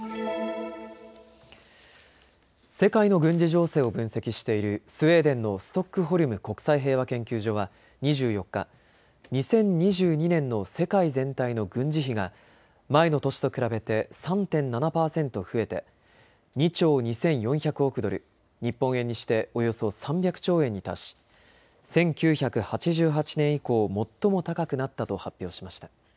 世界の軍事情勢を分析しているスウェーデンのストックホルム国際平和研究所は２４日、２０２２年の世界全体の軍事費が前の年と比べて３．７％増えて２兆２４００億ドル、日本円にしておよそ３００兆円に達し１９８８年以降、最も高くなったと発表しました。